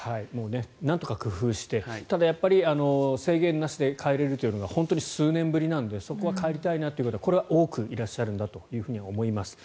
なんとか工夫してただ、制限なしで帰れるというのが本当に数年ぶりなのでそこは帰りたいなという方これは多くいらっしゃるんだと思います。